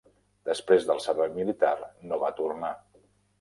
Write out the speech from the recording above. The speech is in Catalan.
Després del servei militar no va tornar.